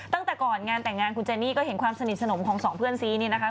ตั้งแต่ก่อนงานแต่งงานคุณเจนี่ก็เห็นความสนิทสนมของสองเพื่อนซีนี่นะคะ